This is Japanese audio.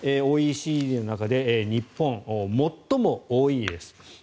ＯＥＣＤの中で日本は最も多いです。